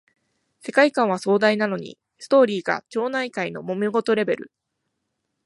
世界観は壮大なのにストーリーが町内会のもめ事レベル